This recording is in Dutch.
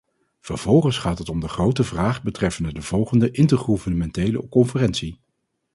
Vervolgens gaat het om de grote vraag betreffende de volgende intergouvernementele conferentie.